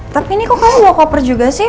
tapi ini kok kamu gak koper juga sih